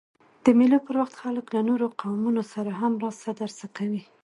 د مېلو پر وخت خلک له نورو قومونو سره هم راسه درسه کوي.